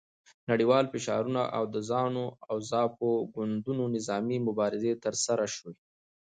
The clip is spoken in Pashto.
نړیوال فشارونه او د زانو او زاپو ګوندونو نظامي مبارزې ترسره شوې.